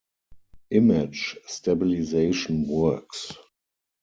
Image stabilisation works.